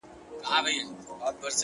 o د کلي سپی یې، د کلي خان دی،